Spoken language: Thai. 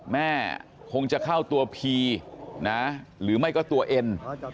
แม่คงจะเข้าตัวพีนะหรือไม่ก็ตัวเอ็น